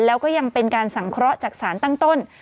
แล้วก็ยังเป็นการสังเคราะห์จากสารตั้งต้น